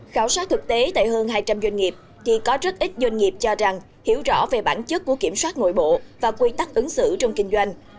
khảo sát thực tế tại hơn hai trăm linh doanh nghiệp thì có rất ít doanh nghiệp cho rằng hiểu rõ về bản chất của kiểm soát nội bộ và quy tắc ứng xử trong kinh doanh